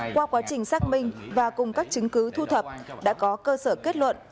qua quá trình xác minh và cùng các chứng cứ thu thập đã có cơ sở kết luận